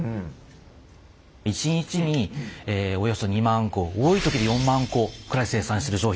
１日におよそ２万個多い時で４万個くらい生産してる商品なんです。